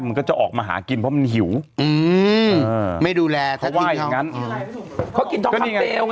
มันก็จะออกมาหากินเพราะมันหิวอืมไม่ดูแลเขาว่าอย่างงั้นเขากินทองคำเปลวไง